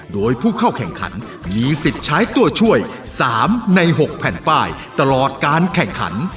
โดยผู้เข้าแข่งขันมีสิทธิ์ใช้ตัวช่วย๓ใน๖แผ่นป้ายตลอดการแข่งขัน